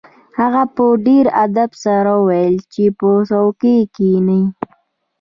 هغه په ډیر ادب سره وویل چې په څوکۍ کښیني